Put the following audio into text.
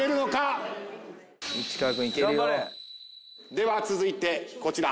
では続いてこちら。